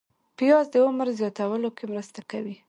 پیاز د عمر زیاتولو کې مرسته کوي